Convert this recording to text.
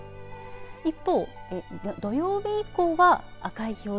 一方、土曜日以降は赤い表示。